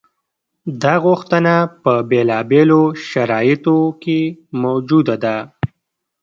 دا غوښتنه په بېلابېلو شرایطو کې موجوده ده.